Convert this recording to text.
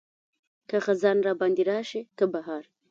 که خزان راباندې راشي که بهار.